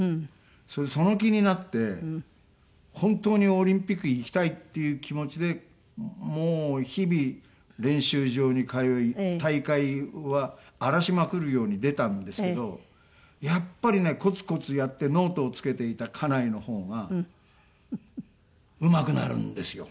それでその気になって本当にオリンピック行きたいっていう気持ちでもう日々練習場に通い大会は荒らしまくるように出たんですけどやっぱりねコツコツやってノートをつけていた家内のほうがうまくなるんですよ。